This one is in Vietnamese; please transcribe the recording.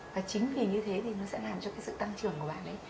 và chính vì như thế thì nó sẽ làm cho cái sự tăng trưởng của bạn ấy